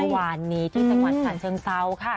เมื่อวานนี้ที่จังหวัดฉะเชิงเซาค่ะ